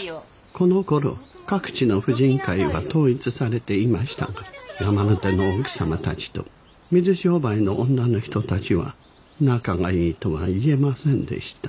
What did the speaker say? このころ各地の婦人会は統一されていましたが山の手の奥様たちと水商売の女の人たちは仲がいいとは言えませんでした。